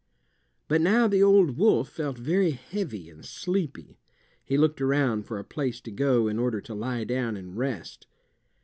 But now the old wolf felt very heavy and sleepy. He looked around for a place to go in order to lie down and rest.